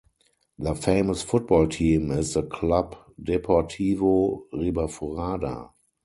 Their famous football team is the Club Deportivo Ribaforada.